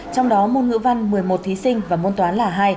trong đó môn ngữ văn một mươi một thí sinh và môn toán là hai